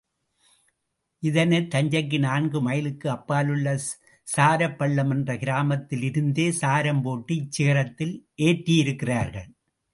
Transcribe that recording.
இதனை, தஞ்சைக்கு நான்கு மைலுக்கு அப்பாலுள்ள சாரப்பள்ளம் என்ற கிராமத்திலிருந்தே சாரம் போட்டு இச்சிகரத்தில் ஏற்றியிருக்கிறார்கள்.